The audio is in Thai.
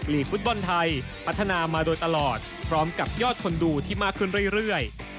ฟุตบอลไทยพัฒนามาโดยตลอดพร้อมกับยอดคนดูที่มากขึ้นเรื่อย